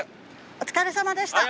お疲れさまでした。